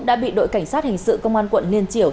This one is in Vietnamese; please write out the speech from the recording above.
đã bị đội cảnh sát hình sự công an quận liên triểu